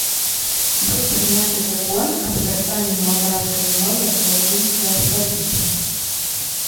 Быў прыняты закон аб вяртанні малдаўскай мове лацінскай алфавіту.